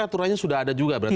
aturannya sudah ada juga berarti